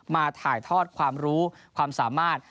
มาถ่ายทอดความรู้ความสามารถ